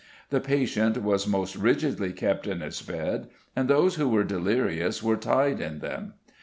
The patient was most rigidly kept in his bed, and those who were delirious were tied in them.